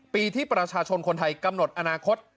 ปีที่ประชาชนคนไทยกำหนดอนาคต